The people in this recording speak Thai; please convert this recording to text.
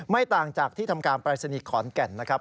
ไม่ต่างจากที่ทำการปรายศนีย์ขอนแก่นนะครับ